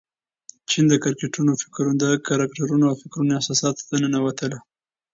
جین د کرکټرونو فکرونو او احساساتو ته ننوتله.